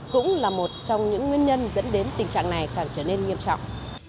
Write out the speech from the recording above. cũng là một trong những nguyên nhân dẫn đến tình trạng này càng trở nên nghiêm trọng